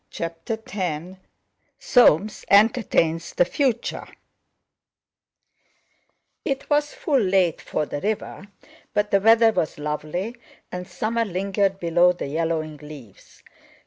CHAPTER X SOAMES ENTERTAINS THE FUTURE It was full late for the river, but the weather was lovely, and summer lingered below the yellowing leaves.